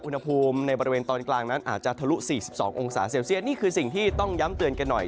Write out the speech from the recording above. อุณหภูมิในบริเวณตอนกลางนั้นอาจจะทะลุ๔๒องศาเซลเซียตนี่คือสิ่งที่ต้องย้ำเตือนกันหน่อย